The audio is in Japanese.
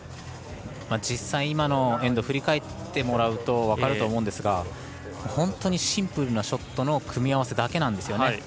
実際、今のエンド振り返ってもらうと分かると思うんですが本当にシンプルなショットの組み合わせだけなんですよね。